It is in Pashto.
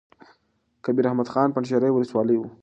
کبیر احمد خان پنجشېري ولسوال وو.